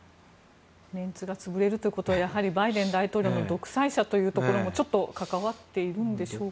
メンツがつぶれるということはやはりバイデン大統領の独裁者というところもちょっと関わっているのでしょうか？